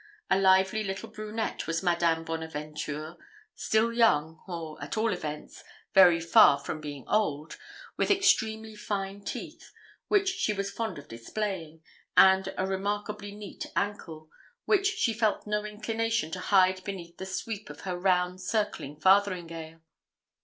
A lively little brunette was Madame Bonaventure, still young, or, at all events, very far from being old; with extremely fine teeth, which she was fond of displaying, and a remarkably neat ankle, which she felt no inclination to hide beneath the sweep of her round circling farthingale.